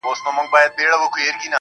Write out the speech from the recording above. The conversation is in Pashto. چي په خپل کور کي یې اچوئ